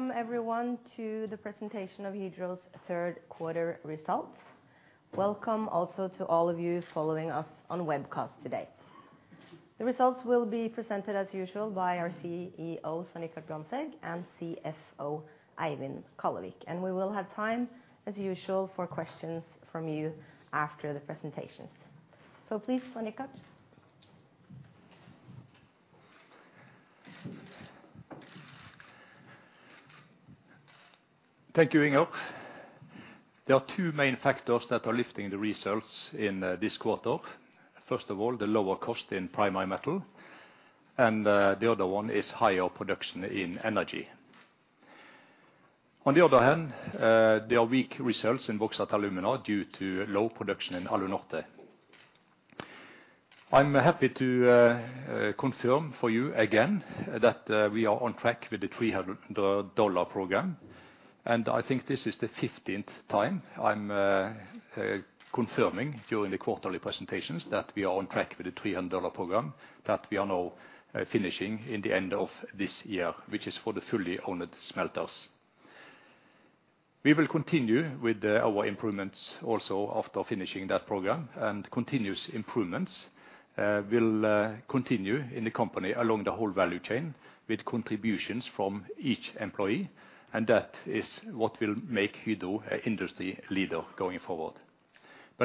Welcome everyone to the presentation of Hydro's third quarter results. Welcome also to all of you following us on webcast today. The results will be presented as usual by our CEO, Svein Richard Brandtzæg, and CFO, Eivind Kallevik. We will have time, as usual, for questions from you after the presentations. Please, Svein Richard. Thank you, Inger. There are two main factors that are lifting the results in this quarter. First of all, the lower cost in Primary Metal, and the other one is higher production in energy. On the other hand, there are weak results in Bauxite & Alumina due to low production in Alunorte. I'm happy to confirm for you again that we are on track with the $300 program, and I think this is the fifteenth time I'm confirming during the quarterly presentations that we are on track with the $300 program that we are now finishing in the end of this year, which is for the fully-owned smelters. We will continue with our improvements also after finishing that program, and continuous improvements will continue in the company along the whole value chain with contributions from each employee, and that is what will make Hydro an industry leader going forward.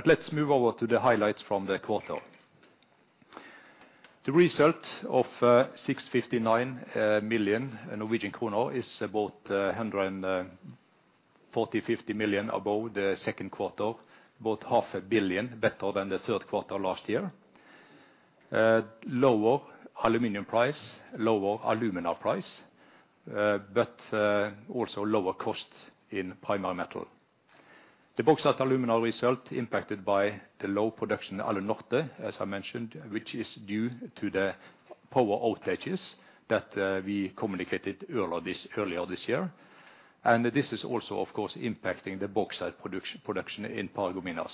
Let's move over to the highlights from the quarter. The result of 659 million Norwegian kroner is about 140 million, 150 million above the second quarter, about half a billion better than the third quarter last year. Lower aluminum price, lower alumina price, but also lower cost in Primary Metal. The Bauxite & Alumina result impacted by the low production Alunorte, as I mentioned, which is due to the power outages that we communicated earlier this year. This is also, of course, impacting the bauxite production in Paragominas.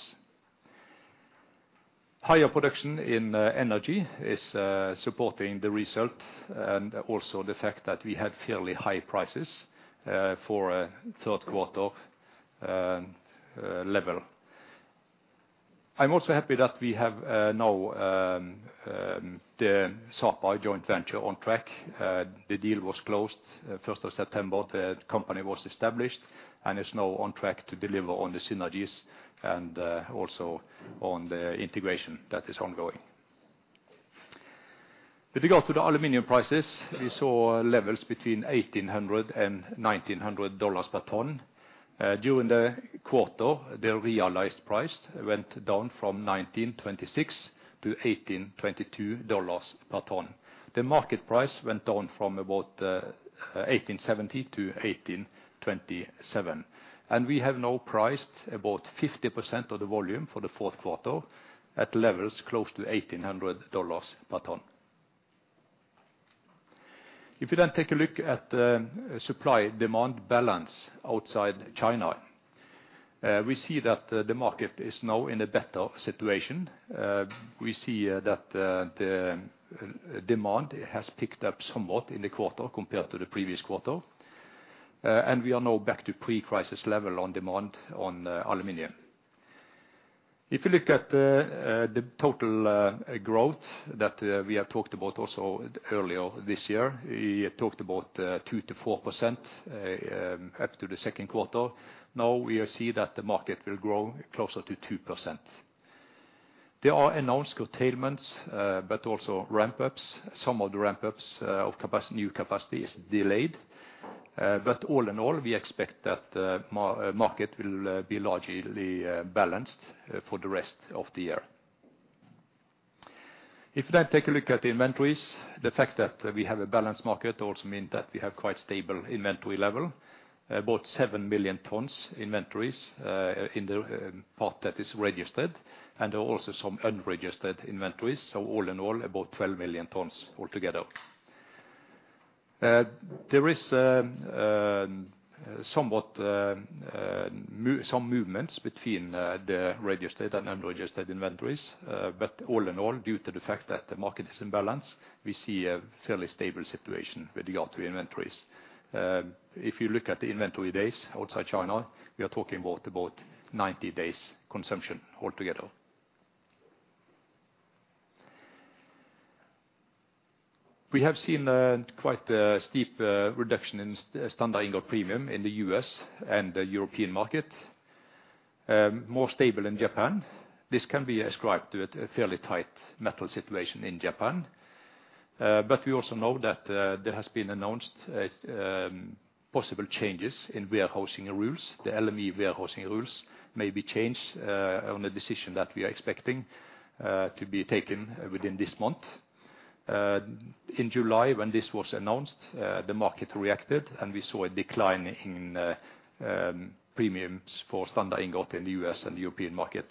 Higher production in energy is supporting the result and also the fact that we have fairly high prices for a third quarter level. I'm also happy that we have now the Sapa joint venture on track. The deal was closed first of September. The company was established and is now on track to deliver on the synergies and also on the integration that is ongoing. With regard to the aluminum prices, we saw levels between $1,800 and $1,900 per ton. During the quarter, the realized price went down from $1,926 to $1,822 per ton. The market price went down from about $1,870 to $1,827. We have now priced about 50% of the volume for the fourth quarter at levels close to $1,800 per ton. If you then take a look at supply and demand balance outside China, we see that the market is now in a better situation. We see that the demand has picked up somewhat in the quarter compared to the previous quarter, and we are now back to pre-crisis level on demand on aluminum. If you look at the total growth that we have talked about also earlier this year, we talked about 2%-4% after the second quarter. Now we see that the market will grow closer to 2%. There are announced curtailments, but also ramp-ups. Some of the ramp-ups of new capacity is delayed. But all in all, we expect that market will be largely balanced for the rest of the year. If we then take a look at the inventories, the fact that we have a balanced market also means that we have quite stable inventory level, about 7 million tons inventories in the part that is registered, and also some unregistered inventories. All in all, about 12 million tons altogether. There is some movements between the registered and unregistered inventories. All in all, due to the fact that the market is in balance, we see a fairly stable situation with regard to inventories. If you look at the inventory days outside China, we are talking about 90 days consumption altogether. We have seen quite a steep reduction in standard ingot premium in the U.S. and European market, more stable in Japan. This can be ascribed to a fairly tight metal situation in Japan. We also know that there has been announced possible changes in warehousing rules. The LME warehousing rules may be changed on a decision that we are expecting to be taken within this month. In July, when this was announced, the market reacted and we saw a decline in premiums for standard ingot in the U.S. and European market.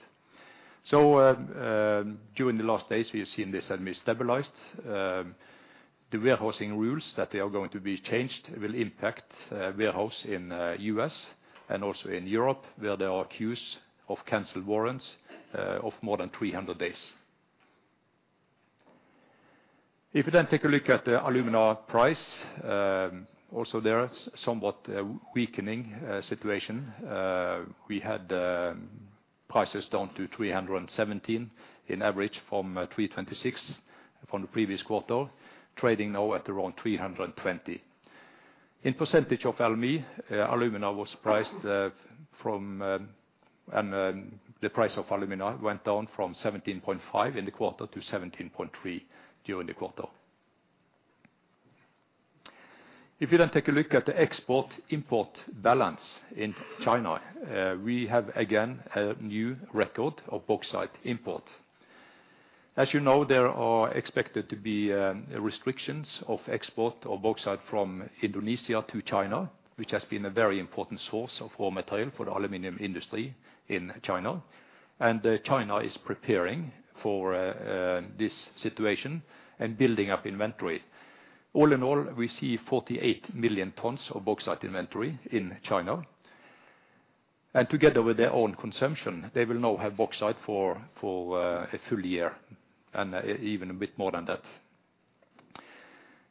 During the last days, we have seen this has been stabilized. The warehousing rules that they are going to be changed will impact warehouse in U.S. and also in Europe, where there are queues of canceled warrants of more than 300 days. If you then take a look at the alumina price, also there is somewhat a weakening situation. We had prices down to $317 on average from $326 from the previous quarter, trading now at around $320. In percentage of LME, alumina was priced from, and the price of alumina went down from 17.5% in the quarter to 17.3% during the quarter. If you then take a look at the export-import balance in China, we have again a new record of bauxite import. As you know, there are expected to be restrictions of export of bauxite from Indonesia to China, which has been a very important source of raw material for the aluminum industry in China. China is preparing for this situation and building up inventory. All in all, we see 48 million tons of bauxite inventory in China. Together with their own consumption, they will now have bauxite for a full year, and even a bit more than that.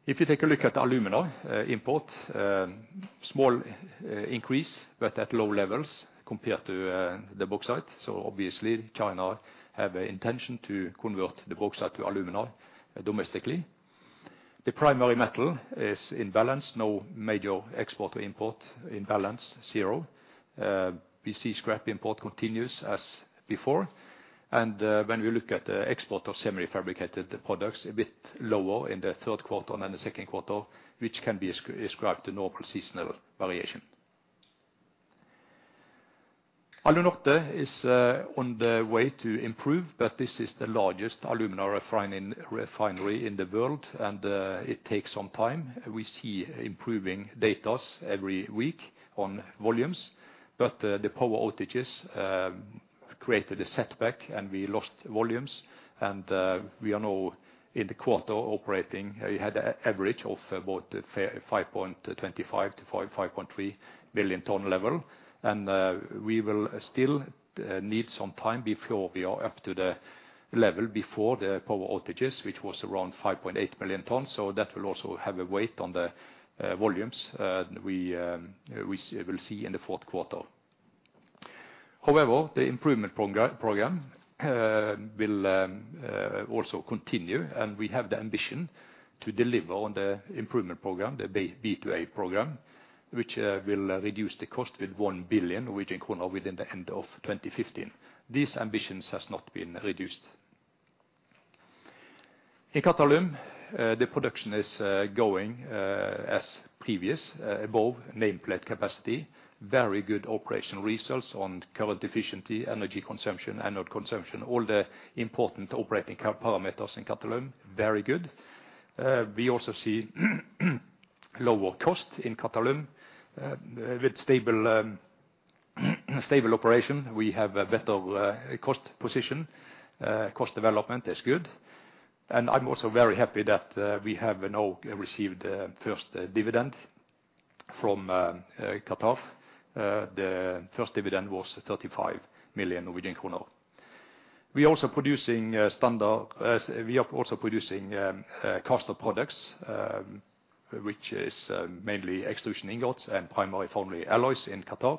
If you take a look at the alumina import, small increase, but at low levels compared to the bauxite. Obviously China have a intention to convert the bauxite to alumina domestically. The primary metal is in balance, no major export or import in balance, zero. We see scrap import continues as before. When we look at the export of semi-fabricated products, a bit lower in the third quarter than the second quarter, which can be ascribed to normal seasonal variation. Alunorte is on the way to improve, but this is the largest alumina refinery in the world, and it takes some time. We see improving data every week on volumes, but the power outages created a setback, and we lost volumes. We are now in the quarter operating, we had an average of about 5.25-5.3 billion ton level. We will still need some time before we are up to the level before the power outages, which was around 5.8 billion tons. That will also have a weigh on the volumes we will see in the fourth quarter. However, the improvement program will also continue, and we have the ambition to deliver on the improvement program, the B2A program, which will reduce the cost with 1 billion Norwegian kroner within the end of 2015. These ambitions has not been reduced. In Qatalum, the production is going as previous above nameplate capacity, very good operational results on current efficiency, energy consumption, anode consumption, all the important operating key parameters in Qatalum, very good. We also see lower cost in Qatalum with stable operation, we have a better cost position, cost development is good. I'm also very happy that we have now received first dividend from Qatar. The first dividend was 35 million Norwegian kroner. We are also producing casting products, which is mainly extrusion ingots and primary foundry alloys in Qatar,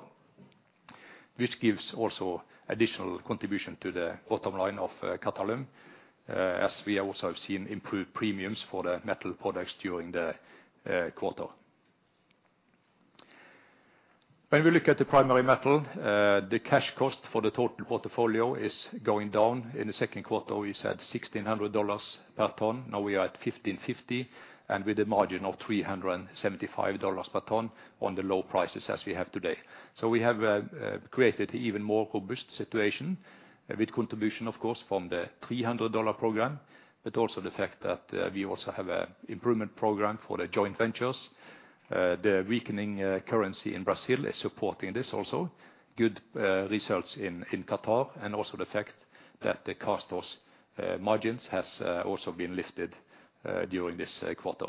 which gives also additional contribution to the bottom line of Qatalum, as we also have seen improved premiums for the metal products during the quarter. When we look at the Primary Metal, the cash cost for the total portfolio is going down. In the second quarter, we said $1,600 per ton. Now we are at $1,550, and with a margin of $375 per ton on the low prices as we have today. We have created even more robust situation with contribution, of course, from the $300 program, but also the fact that we also have an improvement program for the joint ventures. The weakening currency in Brazil is supporting this also. Good results in Qatar, and also the fact that the cash cost margins has also been lifted during this quarter.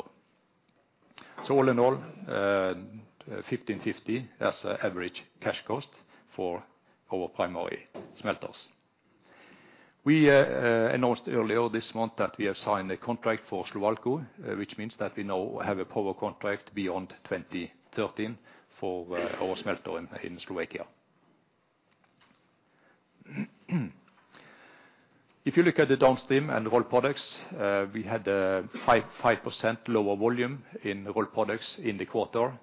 All in all, $1,550 as an average cash cost for our Primary smelters. We announced earlier this month that we have signed a contract for Slovalco, which means that we now have a power contract beyond 2013 for our smelter in Slovakia. If you look at the downstream and Rolled Products, we had 5% lower volume in Rolled Products in the quarter,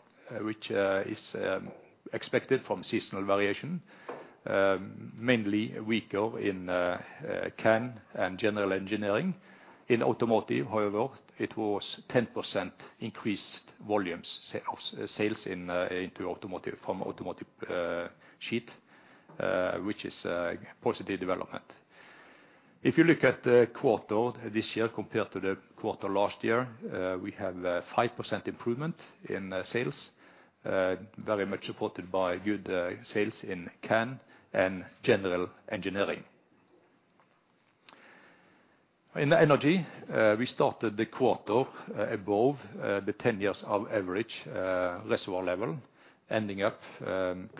which is expected from seasonal variation, mainly weaker in canned and general engineering. In automotive, however, it was 10% increased volumes of sales into automotive, from automotive sheet, which is a positive development. If you look at the quarter this year compared to the quarter last year, we have 5% improvement in sales, very much supported by good sales in can and general engineering. In energy, we started the quarter above the ten-year average reservoir level, ending up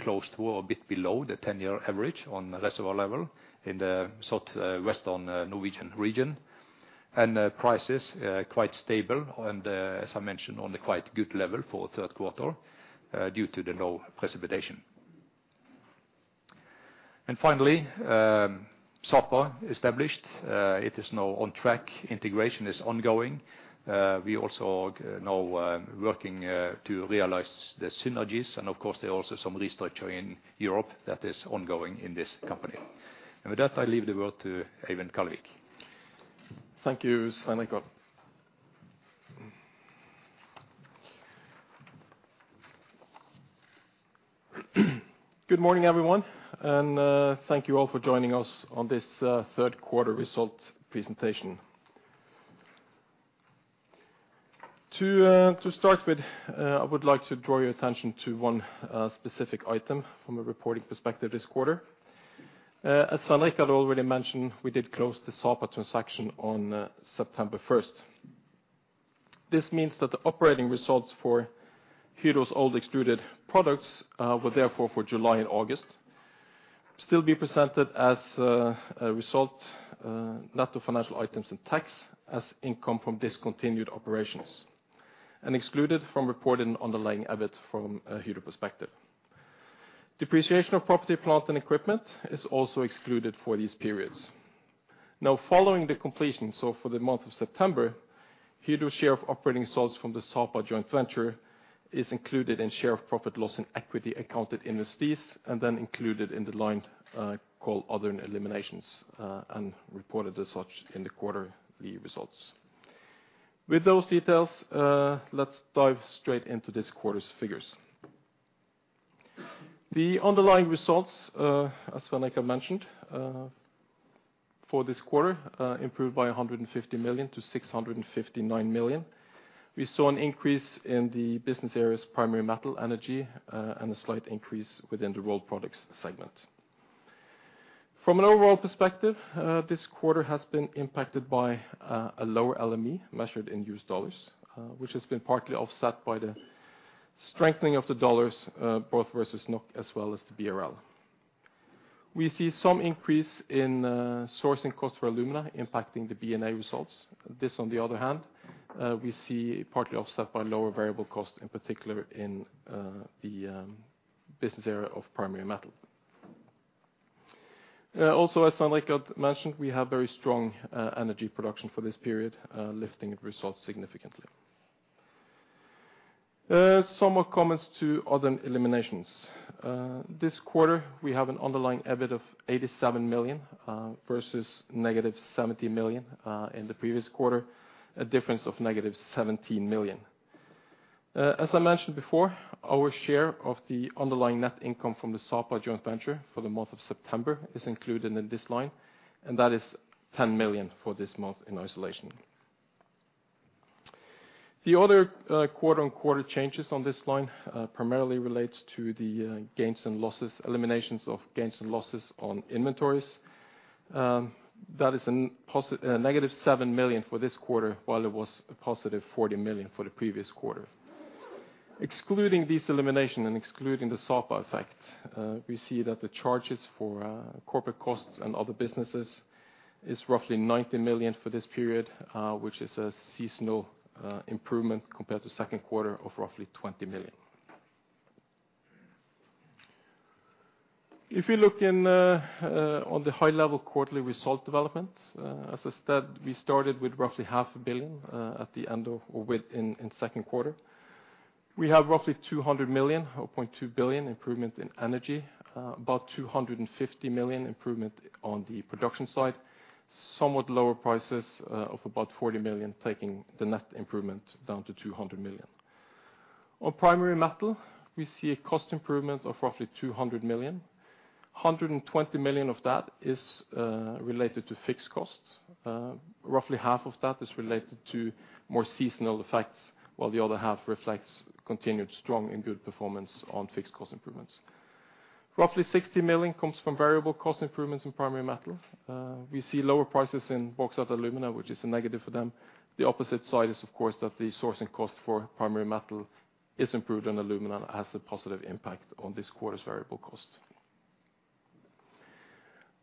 close to or a bit below the ten-year average on reservoir level in the southwestern Norwegian region. Prices quite stable and, as I mentioned, on a quite good level for third quarter due to the low precipitation. Finally, Sapa established, it is now on track, integration is ongoing. We also now working to realize the synergies and of course there are also some restructuring in Europe that is ongoing in this company. With that, I leave the word to Eivind Kallevik. Thank you, Svein Richard Brandtzæg. Good morning, everyone, and thank you all for joining us on this third quarter result presentation. To start with, I would like to draw your attention to one specific item from a reporting perspective this quarter. As Svein Richard Brandtzæg already mentioned, we did close the Sapa transaction on September 1st. This means that the operating results for Hydro's old Extruded Products were therefore for July and August still be presented as a result net of financial items and tax as income from discontinued operations, and excluded from reported underlying EBIT from a Hydro perspective. Depreciation of property, plant, and equipment is also excluded for these periods. Following the completion, for the month of September, Hydro's share of operating results from the Sapa joint venture is included in share of profit/loss and equity accounted investees, and then included in the line called other eliminations, and reported as such in the quarterly results. With those details, let's dive straight into this quarter's figures. The underlying results, as Svein Richard Brandtzæg mentioned, for this quarter, improved by 150 million to 659 million. We saw an increase in the business areas Primary Metal, Energy, and a slight increase within the Rolled Products segment. From an overall perspective, this quarter has been impacted by a lower LME measured in U.S. dollars, which has been partly offset by the strengthening of the dollars, both versus NOK as well as the BRL. We see some increase in sourcing costs for alumina impacting the Bauxite & Alumina results. This, on the other hand, we see partly offset by lower variable costs, in particular in the business area of Primary Metal. Also as Svein Richard Brandtzæg mentioned, we have very strong energy production for this period lifting results significantly. Some more comments to other eliminations. This quarter, we have an underlying EBIT of -87 million versus -70 million in the previous quarter, a difference of -17 million. As I mentioned before, our share of the underlying net income from the Sapa joint venture for the month of September is included in this line, and that is 10 million for this month in isolation. The other quarter-on-quarter changes on this line primarily relates to the gains and losses, eliminations of gains and losses on inventories. That is a -7 million for this quarter, while it was a +40 million for the previous quarter. Excluding this elimination and excluding the Sapa effect, we see that the charges for corporate costs and other businesses is roughly 90 million for this period, which is a seasonal improvement compared to second quarter of roughly 20 million. If you look in on the high-level quarterly result development, as I said, we started with roughly 0.5 billion within second quarter. We have roughly 200 million or 0.2 billion improvement in Energy, about 250 million improvement on the production side, somewhat lower prices of about 40 million, taking the net improvement down to 200 million. On Primary Metal, we see a cost improvement of roughly 200 million. 120 million of that is related to fixed costs. Roughly half of that is related to more seasonal effects, while the other half reflects continued strong and good performance on fixed cost improvements. Roughly 60 million comes from variable cost improvements in Primary Metal. We see lower prices in Bauxite & Alumina, which is a negative for them. The opposite side is, of course, that the sourcing cost for Primary Metal is improved, and alumina has a positive impact on this quarter's variable cost.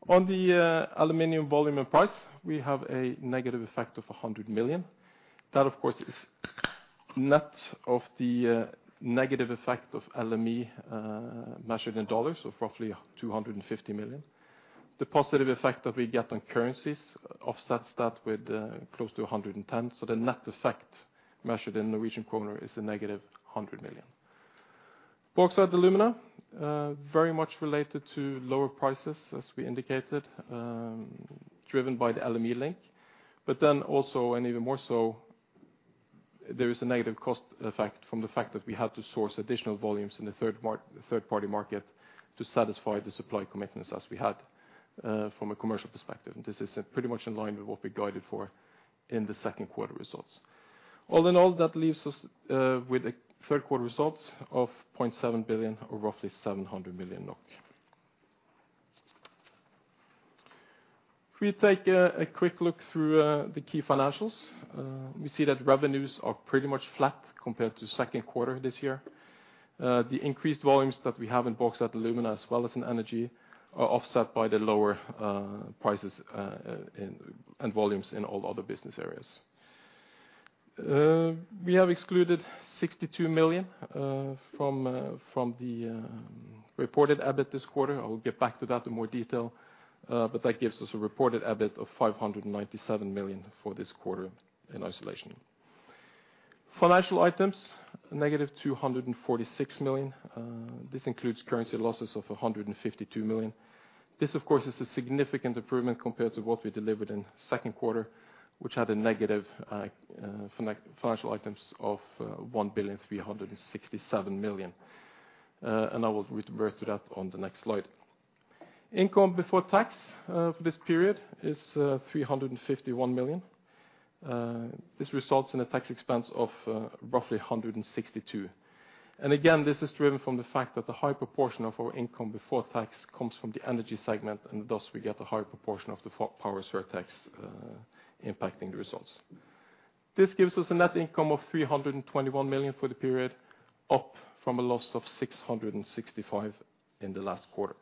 On the aluminum volume and price, we have a negative effect of 100 million. That, of course, is net of the negative effect of LME measured in dollars of roughly $250 million. The positive effect that we get on currencies offsets that with close to $110 million. The net effect measured in Norwegian kroner is -100 million. Bauxite & Alumina very much related to lower prices, as we indicated, driven by the LME link. But then also, and even more so, there is a negative cost effect from the fact that we had to source additional volumes in the third party market to satisfy the supply commitments as we had from a commercial perspective. This is pretty much in line with what we guided for in the second quarter results. All in all, that leaves us with third quarter results of 0.7 billion or roughly 700 million NOK. If we take a quick look through the key financials, we see that revenues are pretty much flat compared to second quarter this year. The increased volumes that we have in Bauxite & Alumina, as well as in energy, are offset by the lower prices and volumes in all other business areas. We have excluded 62 million from the reported EBIT this quarter. I will get back to that in more detail. That gives us a reported EBIT of 597 million for this quarter in isolation. Financial items -246 million. This includes currency losses of 152 million. This, of course, is a significant improvement compared to what we delivered in second quarter, which had a negative financial items of 1,367 million. I will refer to that on the next slide. Income before tax for this period is 351 million. This results in a tax expense of roughly 162 million. Again, this is driven from the fact that the high proportion of our income before tax comes from the energy segment, and thus we get a higher proportion of the power surtax impacting the results. This gives us a net income of 321 million for the period, up from a loss of 665 million in the last quarter.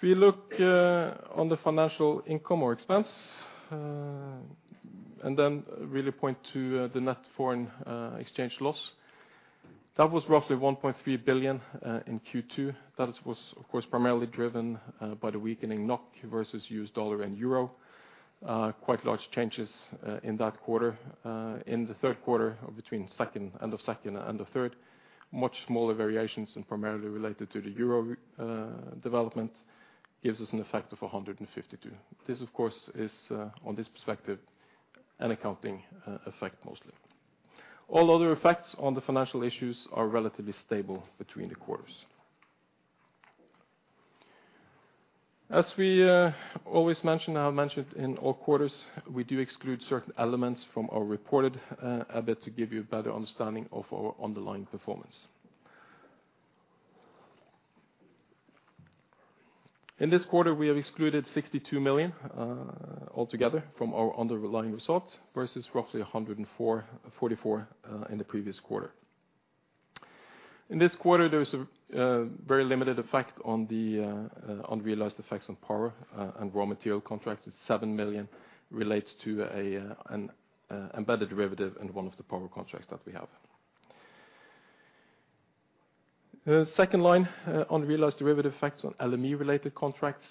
If we look on the financial income or expense, and then really point to the net foreign exchange loss, that was roughly 1.3 billion in Q2. That was, of course, primarily driven by the weakening NOK versus US dollar and Euro. Quite large changes in that quarter. In the third quarter, or between second, end of second and the third, much smaller variations and primarily related to the Euro development, gives us an effect of 152 million. This, of course, is on this perspective, an accounting effect mostly. All other effects on the financial issues are relatively stable between the quarters. As we always mention, I'll mention it in all quarters, we do exclude certain elements from our reported EBIT to give you a better understanding of our underlying performance. In this quarter, we have excluded 62 million altogether from our underlying results, versus roughly 44 million in the previous quarter. In this quarter, there is a very limited effect on the unrealized effects on power and raw material contracts. It's 7 million, relates to an embedded derivative in one of the power contracts that we have. Second line, unrealized derivative effects on LME-related contracts.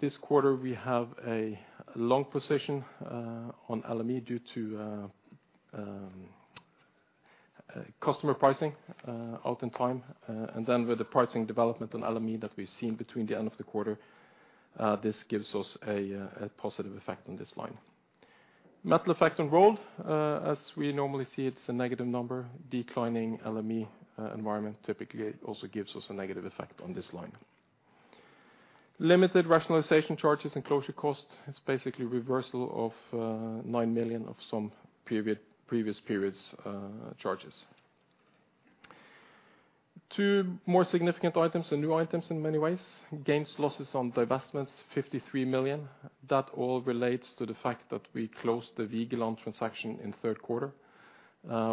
This quarter we have a long position on LME due to customer pricing out in time, and then with the pricing development on LME that we've seen between the end of the quarter, this gives us a positive effect on this line. Metal effect on Rolled, as we normally see, it's a negative number. Declining LME environment typically also gives us a negative effect on this line. Limited rationalization charges and closure cost, it's basically reversal of 9 million of some period, previous periods, charges. Two more significant items and new items in many ways. Gains, losses on divestments, 53 million. That all relates to the fact that we closed the Vigeland transaction in third quarter.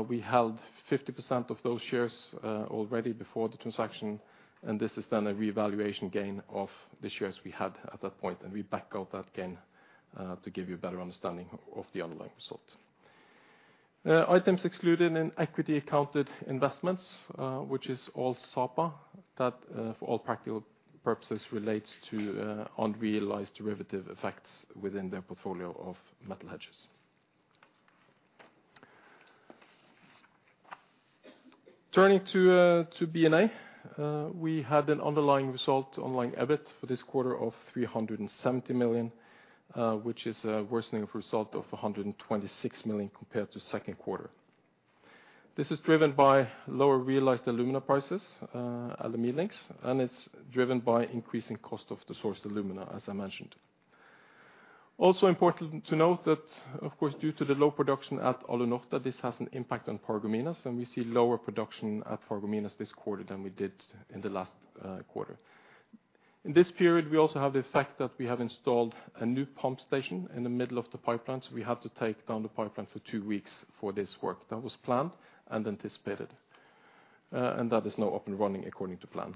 We held 50% of those shares already before the transaction, and this is then a reevaluation gain of the shares we had at that point. We back out that gain to give you a better understanding of the underlying result. Items excluded in equity accounted investments, which is all Sapa, that for all practical purposes relates to unrealized derivative effects within their portfolio of metal hedges. Turning to Bauxite & Alumina, we had an underlying result, underlying EBIT for this quarter of 370 million, which is a worsening of result of 126 million compared to second quarter. This is driven by lower realized alumina prices, Alunorte, and it's driven by increasing cost of the sourced alumina, as I mentioned. Also important to note that, of course, due to the low production at Alunorte, this has an impact on Paragominas, and we see lower production at Paragominas this quarter than we did in the last quarter. In this period, we also have the effect that we have installed a new pump station in the middle of the pipeline, so we have to take down the pipeline for two weeks for this work. That was planned and anticipated. That is now up and running according to plan.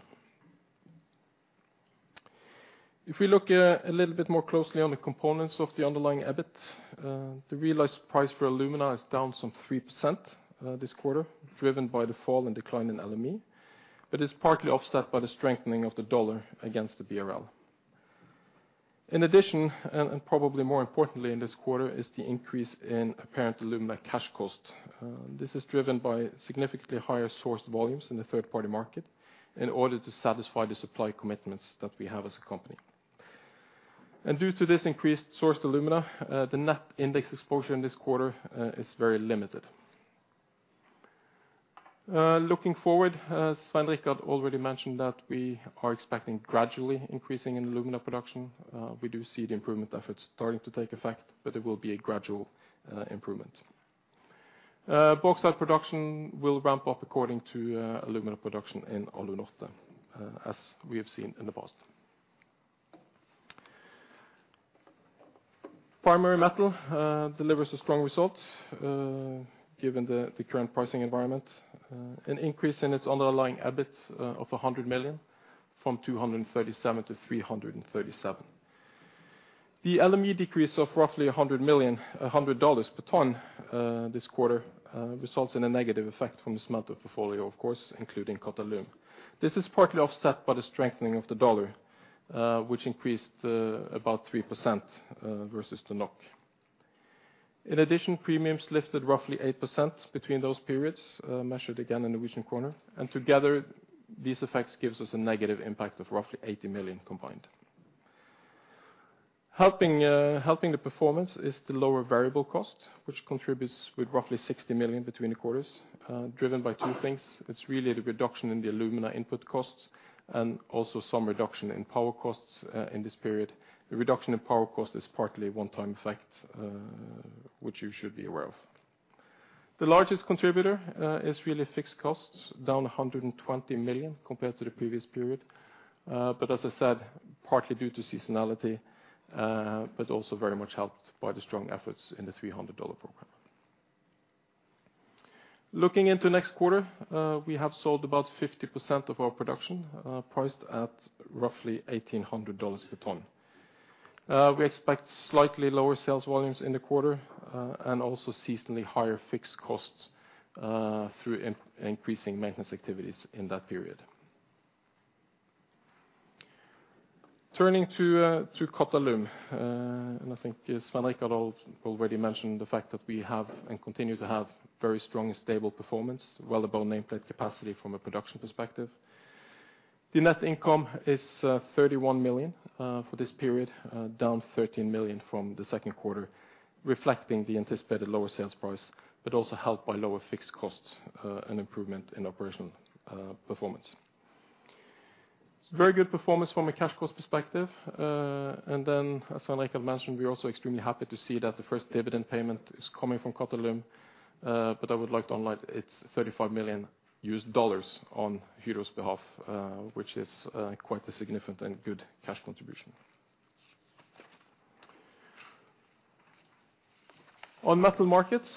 If we look a little bit more closely on the components of the underlying EBIT, the realized price for alumina is down some 3%, this quarter, driven by the fall and decline in LME, but is partly offset by the strengthening of the dollar against the BRL. In addition, probably more importantly in this quarter, is the increase in apparent alumina cash cost. This is driven by significantly higher sourced volumes in the third-party market in order to satisfy the supply commitments that we have as a company. Due to this increased sourced alumina, the net index exposure in this quarter is very limited. Looking forward, Svein Richard Brandtzæg already mentioned that we are expecting gradually increasing in alumina production. We do see the improvement efforts starting to take effect, but it will be a gradual improvement. Bauxite production will ramp up according to alumina production in Alunorte, as we have seen in the past. Primary Metal delivers a strong result given the current pricing environment. An increase in its underlying EBIT of 100 million from 237 million to 337 million. The LME decrease of roughly $100 per ton this quarter results in a negative effect from the smelter portfolio, of course, including Qatalum. This is partly offset by the strengthening of the dollar, which increased about 3% versus the NOK. In addition, premiums lifted roughly 8% between those periods, measured again in Norwegian kroner. Together, these effects gives us a negative impact of roughly 80 million combined. Helping the performance is the lower variable cost, which contributes with roughly 60 million between the quarters, driven by two things. It's really the reduction in the alumina input costs and also some reduction in power costs, in this period. The reduction in power cost is partly a one-time effect, which you should be aware of. The largest contributor is really fixed costs, down 120 million compared to the previous period. As I said, partly due to seasonality, but also very much helped by the strong efforts in the $300 program. Looking into next quarter, we have sold about 50% of our production, priced at roughly $1,800 per ton. We expect slightly lower sales volumes in the quarter, and also seasonally higher fixed costs, through increasing maintenance activities in that period. Turning to Qatalum. I think Svein Richard already mentioned the fact that we have and continue to have very strong and stable performance, well above nameplate capacity from a production perspective. The net income is 31 million for this period, down 13 million from the second quarter, reflecting the anticipated lower sales price, but also helped by lower fixed costs, and improvement in operational performance. It's very good performance from a cash cost perspective. As Svein Richard Brandtzæg mentioned, we're also extremely happy to see that the first dividend payment is coming from Qatalum, but I would like to highlight it's $35 million on Hydro's behalf, which is quite a significant and good cash contribution. On Metal Markets,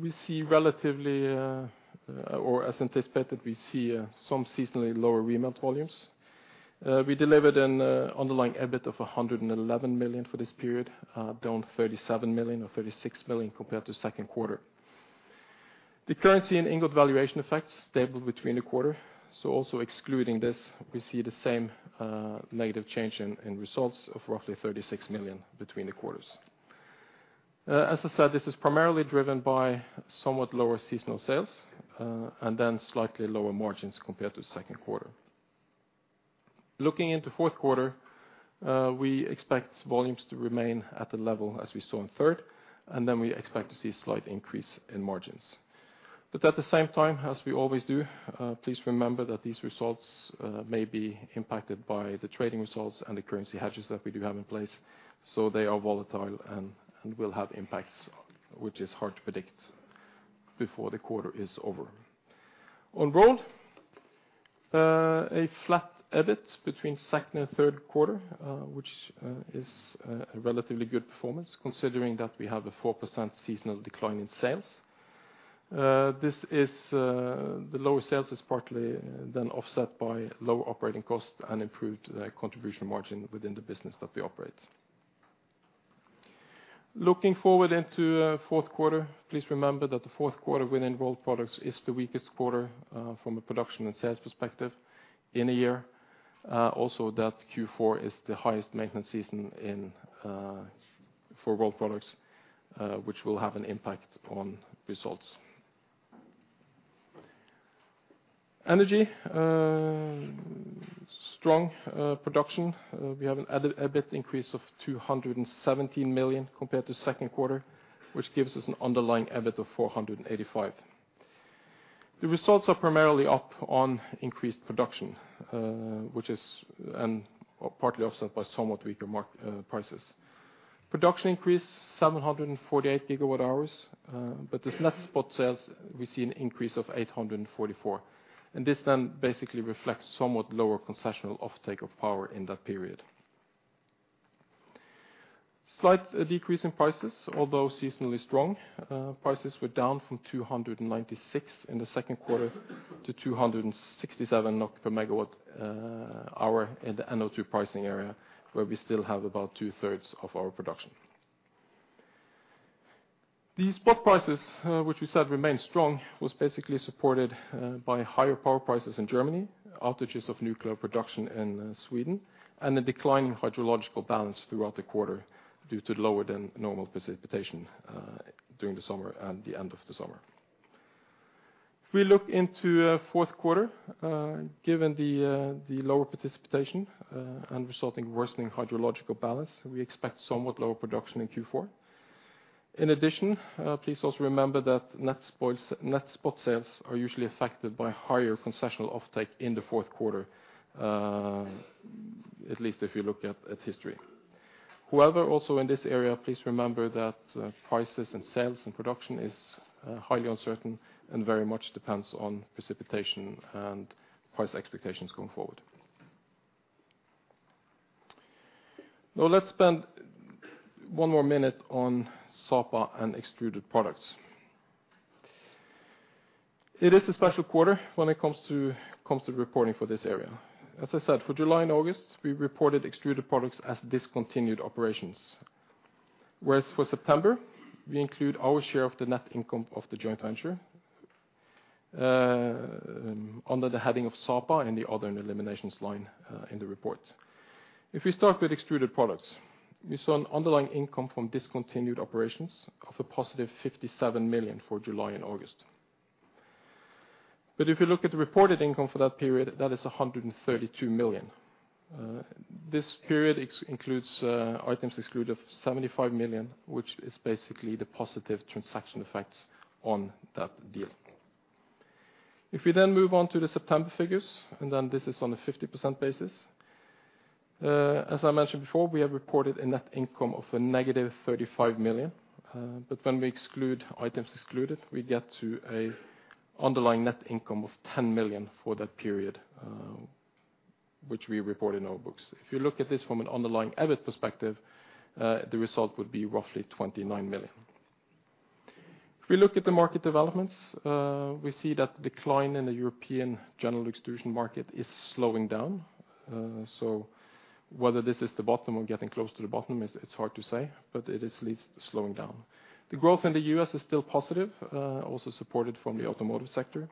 we see relatively or as anticipated, we see some seasonally lower remelt volumes. We delivered an underlying EBIT of 111 million for this period, down 37 million or 36 million compared to second quarter. The currency and ingot valuation effects stable between the quarter. Also excluding this, we see the same negative change in results of roughly 36 million between the quarters. As I said, this is primarily driven by somewhat lower seasonal sales, and then slightly lower margins compared to second quarter. Looking into fourth quarter, we expect volumes to remain at the level as we saw in third, and then we expect to see a slight increase in margins. At the same time, as we always do, please remember that these results may be impacted by the trading results and the currency hedges that we do have in place, so they are volatile and will have impacts, which is hard to predict before the quarter is over. On Rolled, a flat EBIT between second and third quarter, which is a relatively good performance considering that we have a 4% seasonal decline in sales. This is, the lower sales is partly then offset by lower operating costs and improved contribution margin within the business that we operate. Looking forward into fourth quarter, please remember that the fourth quarter within Rolled Products is the weakest quarter from a production and sales perspective in a year. Also that Q4 is the highest maintenance season for Rolled Products, which will have an impact on results. Energy strong production. We have an added EBIT increase of 217 million compared to second quarter, which gives us an underlying EBIT of 485 million. The results are primarily up on increased production, and partly offset by somewhat weaker market prices. Production increased 748 GWh. As net spot sales, we see an increase of 844 GWh. This then basically reflects somewhat lower concessional offtake of power in that period. Slight decrease in prices, although seasonally strong. Prices were down from 296 in the second quarter to 267 NOK per megawatt hour in the NO2 pricing area, where we still have about two-thirds of our production. These spot prices, which we said remain strong, was basically supported by higher power prices in Germany, outages of nuclear production in Sweden, and a decline in hydrological balance throughout the quarter due to lower than normal precipitation during the summer and the end of the summer. If we look into fourth quarter, given the lower precipitation and resulting worsening hydrological balance, we expect somewhat lower production in Q4. In addition, please also remember that net spot sales are usually affected by higher concessional offtake in the fourth quarter, at least if you look at history. However, also in this area, please remember that prices and sales and production is highly uncertain and very much depends on precipitation and price expectations going forward. Now let's spend one more minute on Sapa and Extruded Products. It is a special quarter when it comes to reporting for this area. As I said, for July and August, we reported Extruded Products as discontinued operations. Whereas for September, we include our share of the net income of the joint venture under the heading of Sapa in the other and eliminations line in the report. If we start with Extruded Products, we saw an underlying income from discontinued operations of a positive 57 million for July and August. If you look at the reported income for that period, that is 132 million. This period excludes excluded items of 75 million, which is basically the positive transaction effects on that deal. If we then move on to the September figures, this is on a 50% basis, as I mentioned before, we have reported a net income of a -35 million. When we exclude excluded items, we get to an underlying net income of 10 million for that period, which we report in our books. If you look at this from an underlying EBIT perspective, the result would be roughly 29 million. If we look at the market developments, we see that the decline in the European general extrusion market is slowing down. Whether this is the bottom or getting close to the bottom is, it's hard to say, but it is at least slowing down. The growth in the U.S. is still positive, also supported from the automotive sector.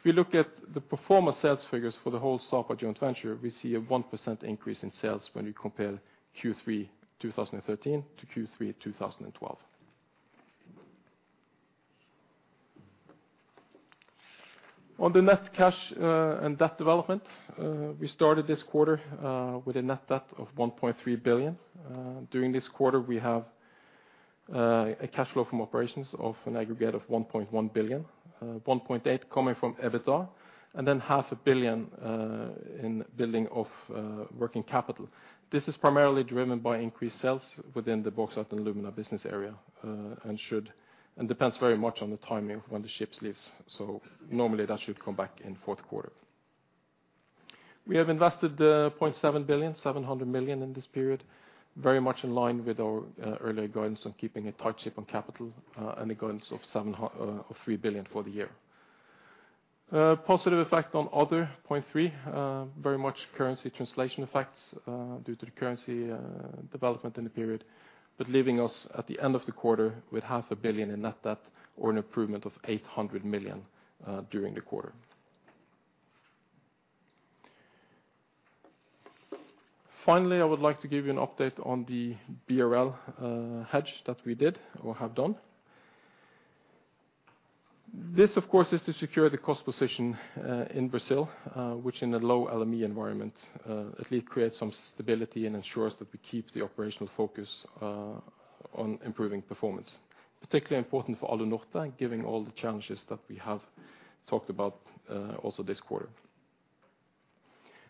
If you look at the pro forma sales figures for the whole Sapa joint venture, we see a 1% increase in sales when we compare Q3 2013 to Q3 2012. On the net cash and debt development, we started this quarter with a net debt of 1.3 billion. During this quarter, we have a cash flow from operations of an aggregate of 1.1 billion, 1.8 billion coming from EBITDA, and then 0.5 billion in buildup of working capital. This is primarily driven by increased sales within the Bauxite & Alumina business area, and depends very much on the timing of when the ship leaves. Normally, that should come back in fourth quarter. We have invested 0.7 billion, 700 million in this period, very much in line with our earlier guidance on keeping a tight ship on capital, and a guidance of 3 billion for the year. Positive effect on other 0.3 billion very much currency translation effects due to the currency development in the period, but leaving us at the end of the quarter with 0.5 billion in net debt or an improvement of 800 million during the quarter. Finally, I would like to give you an update on the BRL hedge that we did or have done. This, of course, is to secure the cost position in Brazil, which in a low LME environment at least creates some stability and ensures that we keep the operational focus on improving performance. Particularly important for Alunorte, given all the challenges that we have talked about also this quarter.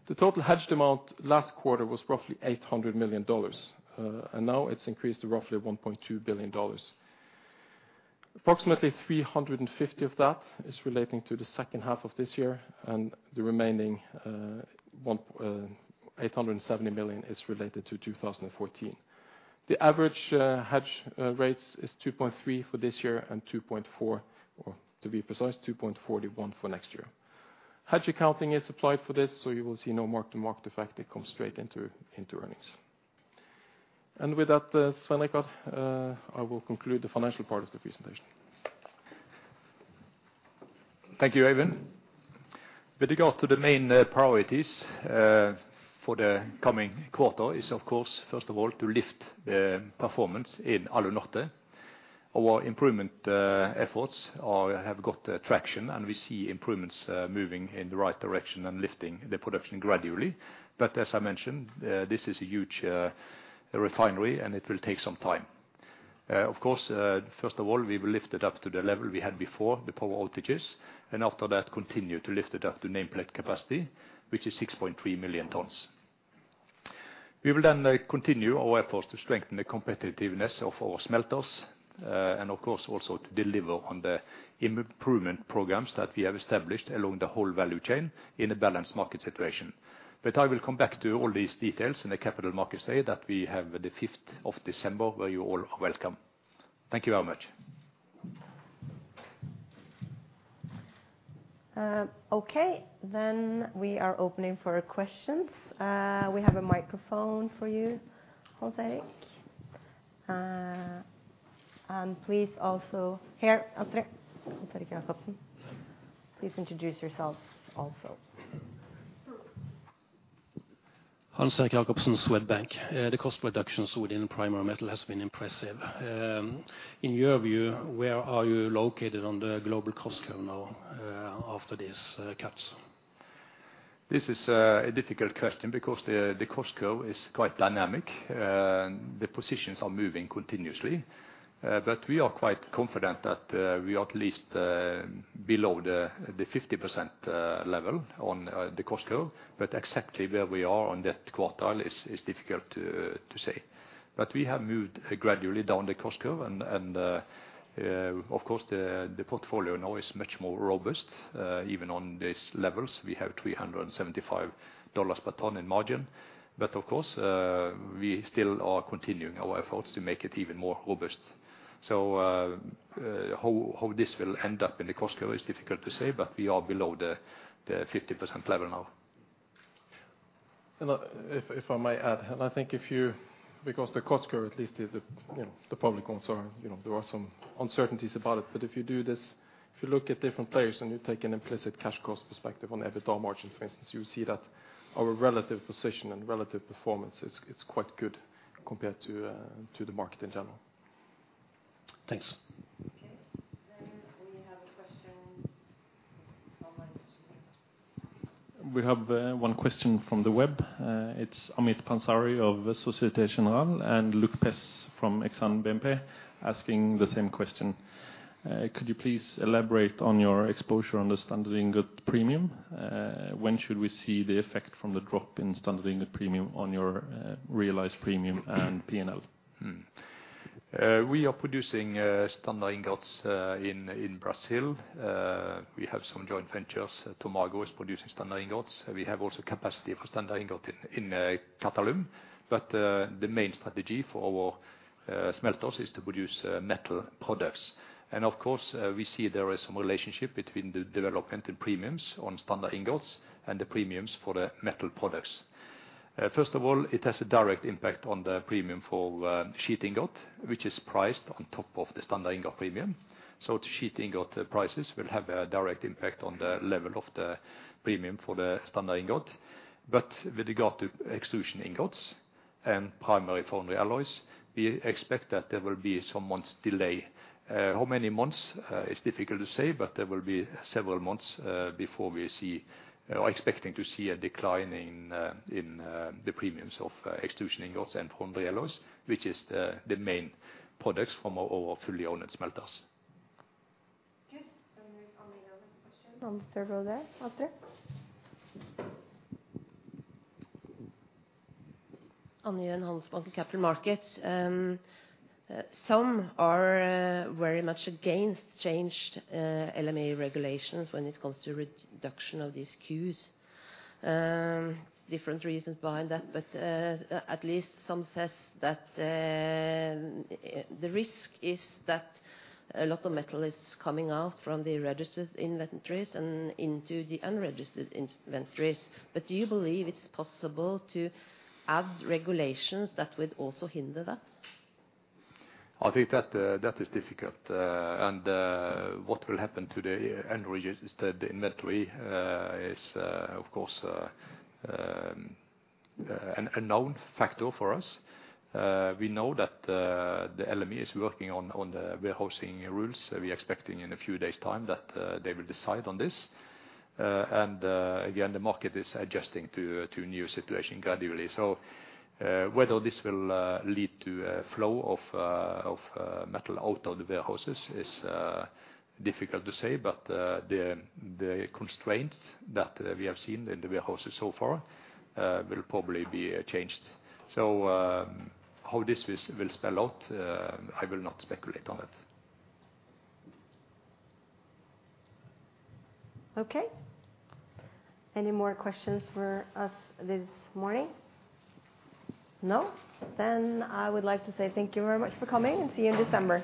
The total hedged amount last quarter was roughly $800 million, and now it's increased to roughly $1.2 billion. Approximately $350 million of that is relating to the second half of this year, and the remaining $870 million is related to 2014. The average hedge rates is 2.3 for this year and 2.4, or to be precise, 2.41 for next year. Hedge accounting is applied for this, so you will see no mark-to-market effect. It comes straight into earnings. With that, Svein Richard, I will conclude the financial part of the presentation. Thank you, Eivind. With regard to the main priorities for the coming quarter is, of course, first of all, to lift the performance in Alunorte. Our improvement efforts have got traction, and we see improvements moving in the right direction and lifting the production gradually. As I mentioned, this is a huge refinery, and it will take some time. Of course, first of all, we will lift it up to the level we had before the power outages, and after that, continue to lift it up to nameplate capacity, which is 6.3 million tons. We will then continue our efforts to strengthen the competitiveness of our smelters, and of course, also to deliver on the improvement programs that we have established along the whole value chain in a balanced market situation. I will come back to all these details in the Capital Markets Day that we have the 5th of December, where you all are welcome. Thank you very much. Okay, we are opening for questions. We have a microphone for you, Hans Erik. Please also, here, Andre. Hans Erik Jacobsen. Please introduce yourselves also. Hans Erik Jacobsen, Swedbank. The cost reductions within Primary Metal has been impressive. In your view, where are you located on the global cost curve now, after these cuts? This is a difficult question because the cost curve is quite dynamic. The positions are moving continuously. We are quite confident that we are at least below the 50% level on the cost curve. Exactly where we are on that quartile is difficult to say. We have moved gradually down the cost curve and of course the portfolio now is much more robust even on these levels. We have $375 per ton in margin. Of course we still are continuing our efforts to make it even more robust. How this will end up in the cost curve is difficult to say, but we are below the 50% level now. If I may add, and I think, because the cost curve at least is the public concern, you know, there are some uncertainties about it. If you do this, if you look at different players and you take an implicit cash cost perspective on EBITDA margin, for instance, you see that our relative position and relative performance is quite good compared to the market in general. Thanks. Okay. We have a question online, actually. We have one question from the web. It's Amit Pansari of Société Générale and Luc Pez from Exane BNP Paribas asking the same question. Could you please elaborate on your exposure on the standard ingot premium? When should we see the effect from the drop in standard ingot premium on your realized premium and P&L? We are producing standard ingots in Brazil. We have some joint ventures. Tomago is producing standard ingots. We have also capacity for standard ingot in Qatalum. The main strategy for our smelters is to produce metal products. Of course, we see there is some relationship between the development in premiums on standard ingots and the premiums for the metal products. First of all, it has a direct impact on the premium for sheet ingot, which is priced on top of the standard ingot premium. The sheet ingot prices will have a direct impact on the level of the premium for the standard ingot. With regard to extrusion ingots and primary foundry alloys, we expect that there will be some months delay. How many months is difficult to say, but there will be several months before we see, or expecting to see, a decline in the premiums of extrusion ingots and foundry alloys, which is the main products from our fully owned smelters. Good. We have Anne with a question from third row there. Anne? Anne Gjøen from Handelsbanken Capital Markets. Some are very much against changed LME regulations when it comes to reduction of these queues. Different reasons behind that, but at least some says that the risk is that a lot of metal is coming out from the registered inventories and into the unregistered inventories. Do you believe it's possible to add regulations that would also hinder that? I think that is difficult. What will happen to the unregistered inventory is of course an unknown factor for us. We know that the LME is working on the warehousing rules. We're expecting in a few days' time that they will decide on this. Again, the market is adjusting to new situation gradually. Whether this will lead to a flow of metal out of the warehouses is difficult to say. The constraints that we have seen in the warehouses so far will probably be changed. How this will spell out, I will not speculate on it. Okay. Any more questions for us this morning? No? I would like to say thank you very much for coming and see you in December.